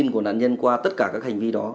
lòng tin của nạn nhân qua tất cả các hành vi đó